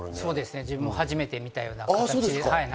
自分も初めて見たような感じで。